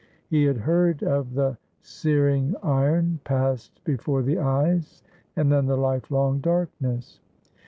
He had heard of the sear 49S TURKEY ing iron passed before the eyes, and then the lifelong darkness.